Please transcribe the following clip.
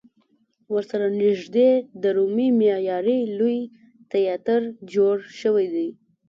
ورسره نږدې د رومي معمارۍ لوی تیاتر جوړ شوی دی.